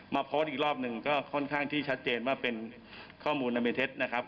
โพสต์อีกรอบหนึ่งก็ค่อนข้างที่ชัดเจนว่าเป็นข้อมูลอเมเท็จนะครับ